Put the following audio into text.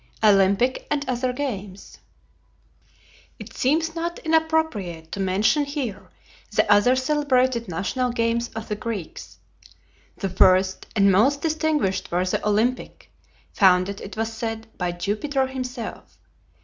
OLYMPIC AND OTHER GAMES It seems not inappropriate to mention here the other celebrated national games of the Greeks. The first and most distinguished were the Olympic, founded, it was said, by Jupiter himself.